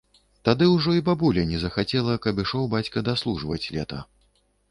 Тады ўжо і бабуля не захацела, каб ішоў бацька даслужваць лета.